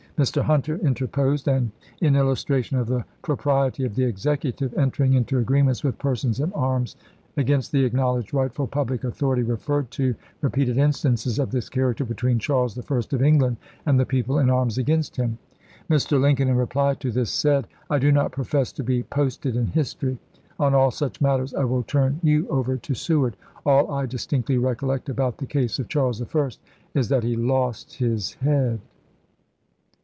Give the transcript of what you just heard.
Mr. Hunter interposed, and in illustration of the propriety of the Execu tive entering into agreements with persons in arms against the acknowledged rightful public authority referred to repeated instances of this character between Charles I. of England and the people in arms against him. Mr. Lincoln in reply to this said :' I do not profess to be posted in history. On all such matters I will turn you over to Seward. All I distinctly recollect about the case of Charles I. is that he lost his head.'